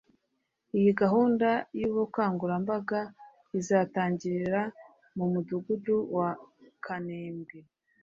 Iyi gahunda y’Ubukangurambaga izatangirira mu Mudugudu wa Kanembwe